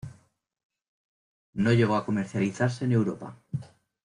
No llegó a comercializarse en Europa.